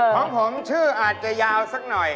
ของผมชื่ออาจจะยาวสักหน่อย